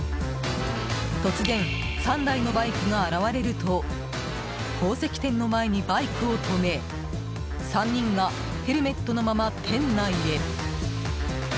突然、３台のバイクが現れると宝石店の前にバイクを止め３人がヘルメットのまま店内へ。